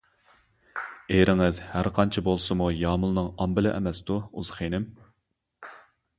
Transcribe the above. -ئېرىڭىز ھەرقانچە بولسىمۇ يامۇلنىڭ ئامبىلى ئەمەستۇ ئۇز خېنىم!